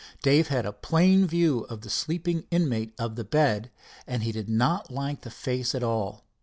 Dave had a plain view of the sleeping inmate of the bed, and he did not like the face at all.